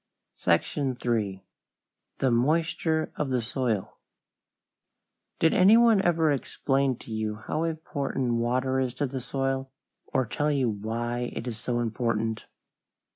SECTION III. THE MOISTURE OF THE SOIL Did any one ever explain to you how important water is to the soil, or tell you why it is so important?